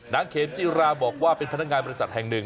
เขมจิราบอกว่าเป็นพนักงานบริษัทแห่งหนึ่ง